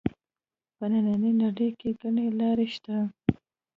په نننۍ نړۍ کې ګڼې لارې شته